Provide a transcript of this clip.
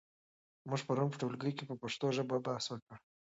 موږ پرون په ټولګي کې په پښتو ژبه بحث وکړ.